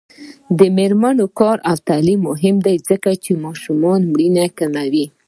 د میرمنو کار او تعلیم مهم دی ځکه چې ماشومانو مړینه کموي.